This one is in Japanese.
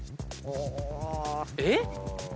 えっ？